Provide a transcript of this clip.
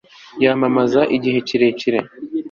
yahamaze igihe kirekire